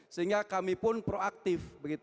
sehingga kami pun proaktif